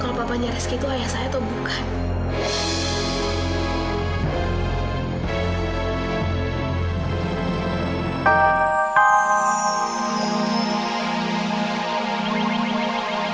kalau papanya rezeki itu ayah saya atau bukan